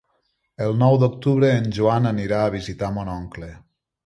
El nou d'octubre en Joan anirà a visitar mon oncle.